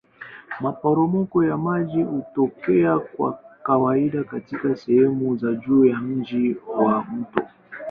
Maporomoko ya maji hutokea kwa kawaida katika sehemu za juu ya njia ya mto.